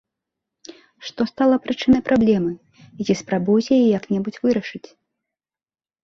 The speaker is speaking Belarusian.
Што стала прычынай праблемы і ці спрабуюць яе як-небудзь вырашыць?